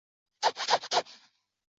早已知道必有相似之处